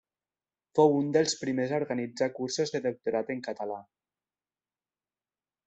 Fou un dels primers a organitzar cursos de doctorat en català.